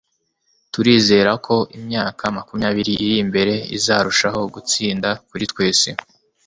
turizera ko imyaka makumyabiri iri imbere izarushaho gutsinda kuri twese